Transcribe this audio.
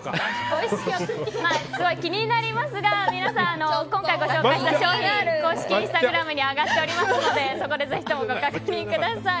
気になりますが皆さん今回ご紹介した商品公式インスタグラムに上がっておりますのでそこでぜひともご確認ください。